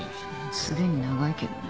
すでに長いけどね。